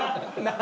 何？